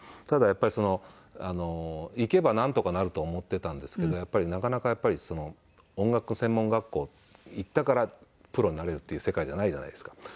ただやっぱり行けばなんとかなると思ってたんですけどなかなかやっぱり音楽専門学校行ったからプロになれるっていう世界じゃないじゃないですか。